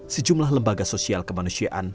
sejumlah lembaga sosial kemanusiaan